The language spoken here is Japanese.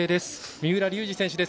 三浦龍司選手です。